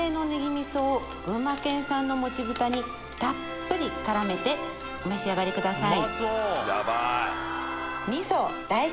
味噌を群馬県産のもち豚にたっぷりからめてお召し上がりください